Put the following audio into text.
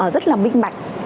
rất là minh bạch